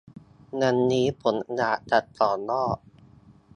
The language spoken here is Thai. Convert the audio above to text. วันนี้ผมอยากจะต่อยอด